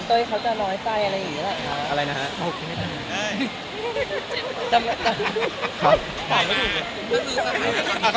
ต้นเขาจะน้อยไปอะไรอย่างนี้แหละฮะ